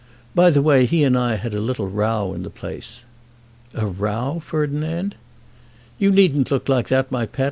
By the way, he and I had a little row in the place." "A row, Ferdinand!" "You needn't look like that, my pet.